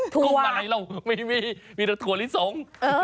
กุ้งอะไรหรอกมีแต่ถั่วลิสง